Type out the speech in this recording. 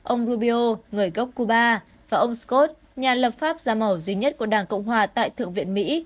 ông rubio người gốc cuba và ông scott nhà lập pháp da mỏ duy nhất của đảng cộng hòa tại thượng viện mỹ